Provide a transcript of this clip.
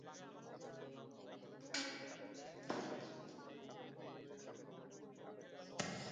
আমরা পরে বলতে পারব যে আমরা তাদের সতর্ক করেছিলাম।